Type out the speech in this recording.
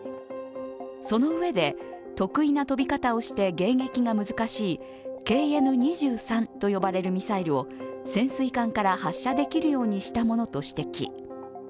そのうえで、特異な飛び方をして迎撃が難しいＫＮ−２３と呼ばれるミサイルを潜水艦から発射できるようにしたものと指摘。